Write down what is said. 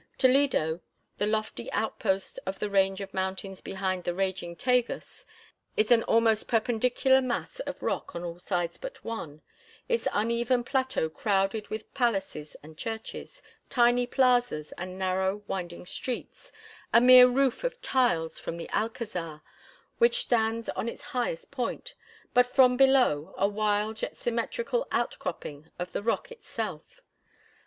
Toledo, the lofty outpost of the range of mountains behind the raging Tagus, is an almost perpendicular mass of rock on all sides but one, its uneven plateau crowded with palaces and churches, tiny plazas and narrow, winding streets, a mere roof of tiles from the Alcazar, which stands on its highest point, but from below a wild yet symmetrical outcropping of the rock itself.